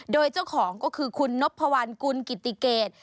โดยเจ้าของก็คือคุณนพวัลกุลกิติเกต